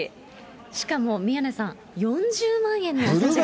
しかも宮根さん、４０万円のおせちが。